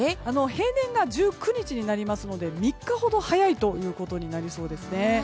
平年が１９日になりますので３日ほど早いということになりそうですね。